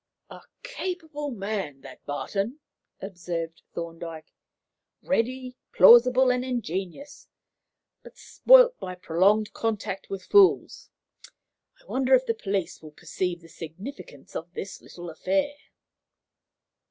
"A capable man, that Barton," observed Thorndyke "ready, plausible, and ingenious, but spoilt by prolonged contact with fools. I wonder if the police will perceive the significance of this little affair."